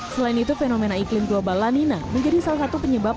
selain itu fenomena iklim global lanina menjadi salah satu penyebab